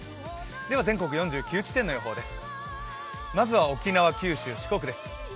では、全国４９地点の予報です。